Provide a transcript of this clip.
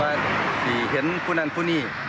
ว่าที่เห็นผู้นั้นผู้หนี้